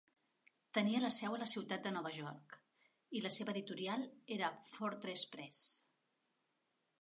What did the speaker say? Tenia la seu a la ciutat de Nova York i la seva editorial era Fortress Press.